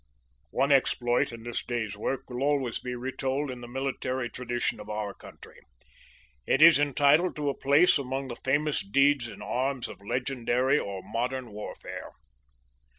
One exploit in this day's work will always be retold in the military tradition of our country. It is entitled to a place among the famous deeds in arms of legendary or modern warfare.